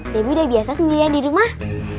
ibu udah biasa sendirian di rumah